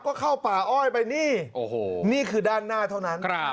ก็เข้าป่าอ้อยไปนี่โอ้โหนี่คือด้านหน้าเท่านั้น